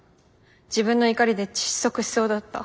自分の怒りで窒息しそうだった。